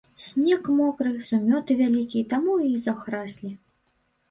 Снег мокры, сумёты вялікія, таму і захраслі.